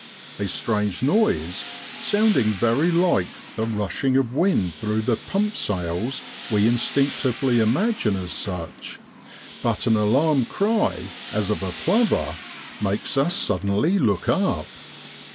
A strange noise, sound ing very like the rushing of wind through the pump sails we in stinctively imagine as such, but an alarm cry, as of a plover, makes us as suddenly look up.